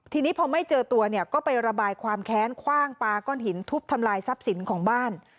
ทีนี้พอไม่เจอตัวเนี่ยก็ไประบายความแค้นคว่างปลาก้อนหินทุบทำลายทรัพย์สินของบ้าน